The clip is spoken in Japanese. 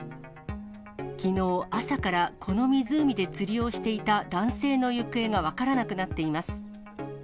きのう朝からこの湖で釣りをしていた男性の行方が分からなくなっています。